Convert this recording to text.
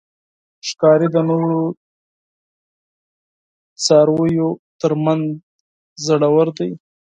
ښکاري د نورو څارویو تر منځ زړور دی.